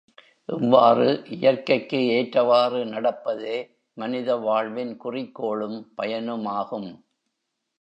இவ்வாறு இயற்கைக்கு ஏற்றவாறு நடப்பதே மனித வாழ்வின் குறிக்கோளும், பயனுமாகும்.